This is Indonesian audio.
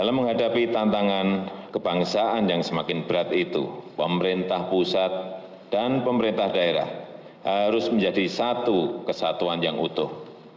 dalam menghadapi tantangan kebangsaan yang semakin berat itu pemerintah pusat dan pemerintah daerah harus menjadi satu kesatuan yang utuh